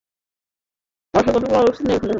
অসকর্পের কোনো অস্তিত্বই নেই এখানে।